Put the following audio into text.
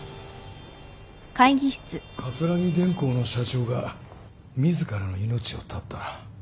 桂木電工の社長が自らの命を絶った